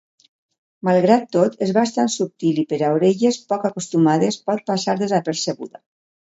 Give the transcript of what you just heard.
Malgrat tot, és bastant subtil i per a orelles poc acostumades pot passar desapercebuda.